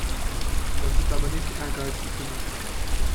Das ist aber nicht ehrgeizig genug.